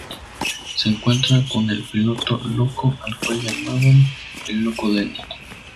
Se encuentran con el Piloto loco, al cual llamaban el loco Denny.